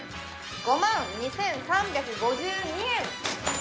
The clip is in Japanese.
５２，３５２円！